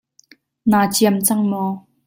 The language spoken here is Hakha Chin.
Naa ciam cang maw?